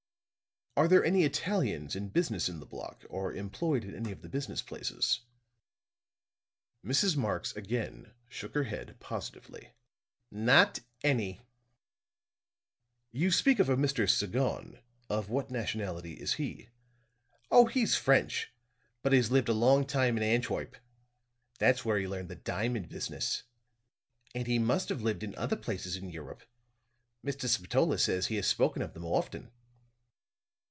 "Are there any Italians in business in the block, or employed in any of the business places?" Mrs. Marx again shook her head positively. "Not any." "You speak of a Mr. Sagon. Of what nationality is he?" "Oh, he's French, but he's lived a long time in Antwerp. That's where he learned the diamond business. And he must have lived in other places in Europe; Mr. Spatola says he has spoken of them often."